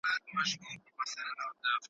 بې ځایه سوي د وینا بشپړه ازادي نه لري.